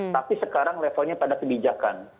tapi sekarang levelnya pada kebijakan